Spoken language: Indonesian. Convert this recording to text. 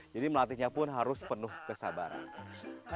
jadi melatihnya pun harus penuh kesabaran